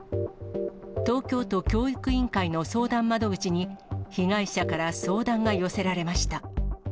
東京都教育委員会の相談窓口に、被害者から相談が寄せられました。